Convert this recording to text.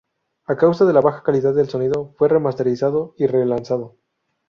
A causa de la baja calidad del sonido fue remasterizado y re-lanzado.